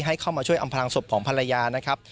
ให้เข้ามาช่วยอำพลังศพของภรรยานะครับ